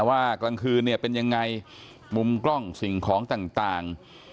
กลางคืนเนี่ยเป็นยังไงมุมกล้องสิ่งของต่าง